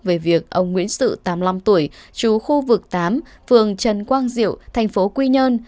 về việc ông nguyễn sự tám mươi năm tuổi chú khu vực tám phường trần quang diệu thành phố quy nhơn